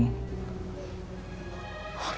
bapak rata perlu kum